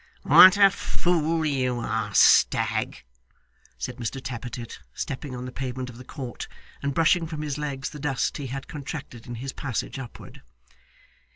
'What a fool you are, Stagg!' said Mr Tappertit, stepping on the pavement of the court, and brushing from his legs the dust he had contracted in his passage upward.